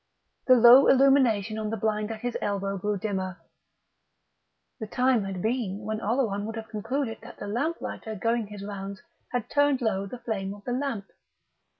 The low illumination on the blind at his elbow grew dimmer (the time had been when Oleron would have concluded that the lamplighter going his rounds had turned low the flame of the lamp).